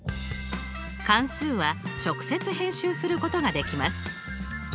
関数は直接編集することができます。